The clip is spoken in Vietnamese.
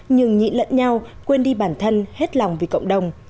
nhưng nhịn lẫn nhau quên đi bản thân hết lòng vì cộng đồng